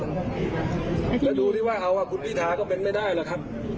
แล้วดูที่ว่าเอาคุณพิธาก็เป็นไม่ได้หรอกครับ